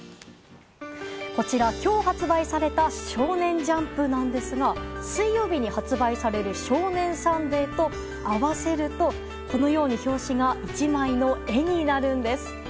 こちら、今日発売された「少年ジャンプ」なんですが水曜日に発売される「少年サンデー」と合わせるとこのように表紙が１枚の絵になるんです。